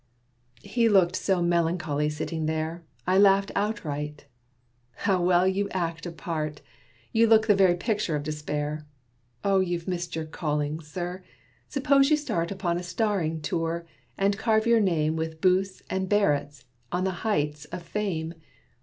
He looked so melancholy sitting there, I laughed outright. "How well you act a part; You look the very picture of despair! You've missed your calling, sir! suppose you start Upon a starring tour, and carve your name With Booth's and Barrett's on the heights of Fame.